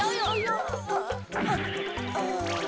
あっああ。